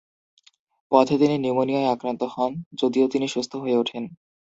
পথে তিনি নিউমোনিয়ায় আক্রান্ত হন, যদিও তিনি সুস্থ হয়ে ওঠেন।